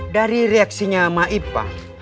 dari reaksinya ma'ipah